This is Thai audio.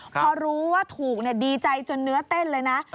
พอรู้ว่าถูกดีใจจนเนื้อเต้นเลยนะ